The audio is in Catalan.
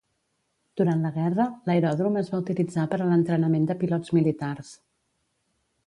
Durant la guerra, l'aeròdrom es va utilitzar per a l'entrenament de pilots militars.